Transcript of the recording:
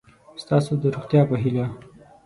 ستاسو د روغتیا په هیله